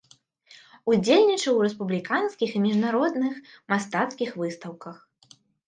Удзельнічаў у рэспубліканскіх і міжнародных мастацкіх выстаўках.